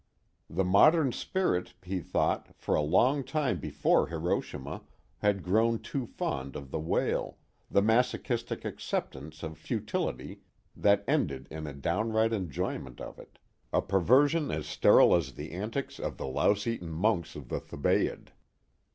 The modern spirit, he thought, for a long time before Hiroshima, had grown too fond of the wail, the masochistic acceptance of futility that ended in a downright enjoyment of it, a perversion as sterile as the antics of the louse eaten monks of the Thebaid.